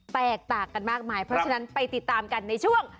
แตกต่างกันมากมายเพราะฉะนั้นไปติดตามกันในช่วง